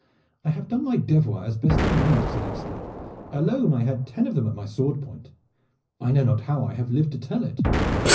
"I have done my devoir as best I might," said Astley. "Alone I had ten of them at my sword point. I know not how I have lived to tell it."